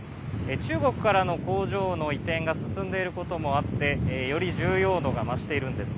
中国からの工場の移転が進んでいることもあってより重要度が増しているんです。